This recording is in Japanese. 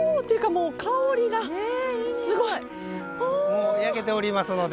もう焼けておりますので。